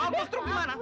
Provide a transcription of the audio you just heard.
kalau ampun truk gimana